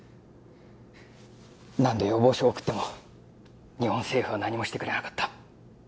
何度要望書を送っても日本政府は何もしてくれなかった。